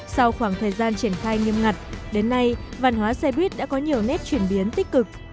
sau khoảng thời gian triển khai nghiêm ngặt đến nay văn hóa xe buýt đã có nhiều nét chuyển biến tích cực